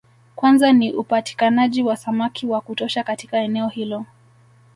Kwanza ni upatikanaji wa samaki wa kutosha katika eneo hilo